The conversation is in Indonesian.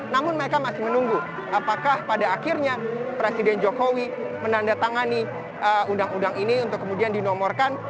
namun mereka masih menunggu apakah pada akhirnya presiden jokowi menandatangani undang undang ini untuk kemudian dinomorkan